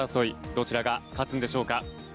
どちらが勝つんでしょうか。